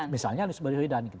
misalnya anies baswedan